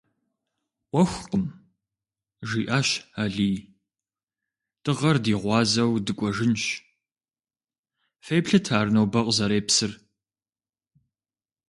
«Ӏуэхукъым,— жиӀащ Алий,— дыгъэр ди гъуазэу дыкӀуэжынщ; феплъыт ар нобэ къызэрепсыр».